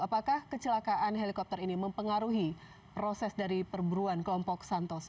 apakah kecelakaan helikopter ini mempengaruhi proses dari perburuan kelompok santoso